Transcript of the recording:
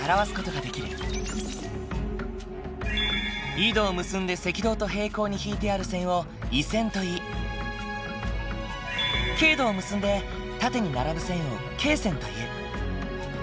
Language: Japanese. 緯度を結んで赤道と平行に引いてある線を緯線といい経度を結んで縦に並ぶ線を経線という。